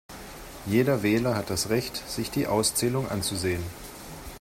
Jeder Wähler hat das Recht, sich die Auszählung anzusehen.